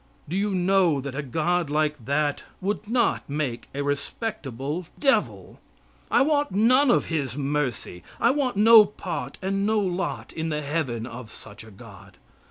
Do you know that a God like that would not make a respectable devil? I want none of his mercy. I want no part and no lot in the heaven of such a God.